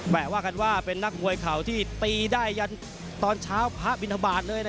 แปลว่าคันว่าเป็นนักมวยข่าวที่ตีได้ยันต์ตอนเช้าพระบินธบาล